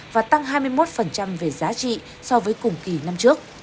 và tăng hai mươi một về giá trị so với cùng kỳ năm trước